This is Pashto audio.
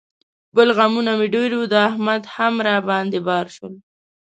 خپل غمونه مې ډېر و، د احمد هم را باندې بار شول.